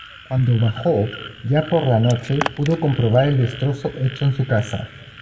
Cuando bajó, ya por la noche, pudo comprobar el destrozo hecho en su casa.